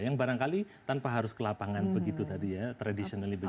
yang barangkali tanpa harus ke lapangan begitu tadi ya traditionally begitu